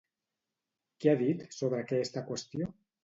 Què ha dit sobre aquesta qüestió?